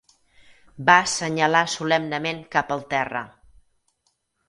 Va assenyalar solemnement cap al terra.